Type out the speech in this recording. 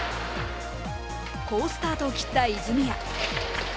好スタートを切った泉谷。